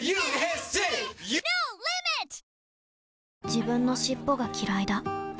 自分の尻尾がきらいだ